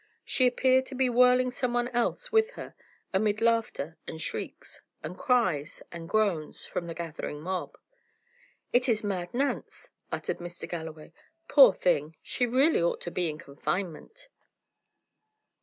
She appeared to be whirling someone else with her, amid laughter and shrieks, and cries and groans, from the gathering mob. "It is Mad Nance!" uttered Mr. Galloway. "Poor thing! she really ought to be in confinement."